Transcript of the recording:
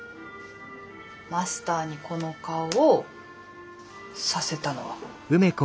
マスターにこの顔をさせたのは。